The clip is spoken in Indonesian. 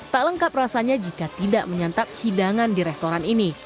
tak lengkap rasanya jika tidak menyantap hidangan di restoran ini